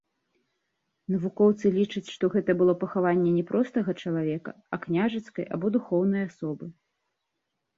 Навукоўцы лічаць, што гэта было пахаванне не простага чалавека, а княжацкай або духоўнай асобы.